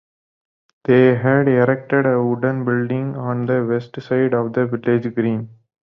They had erected a wooden building on the west side of the village green.